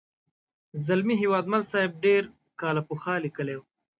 زلمي هیوادمل صاحب ډېر کاله پخوا لیکلې وه.